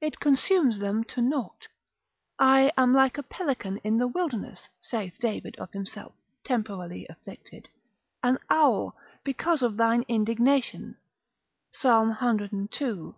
It consumes them to nought, I am like a pelican in the wilderness (saith David of himself, temporally afflicted), an owl, because of thine indignation, Psalm cii.